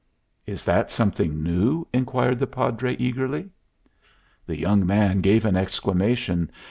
"Is that something new?" inquired the Padre, eagerly. The young man gave an exclamation.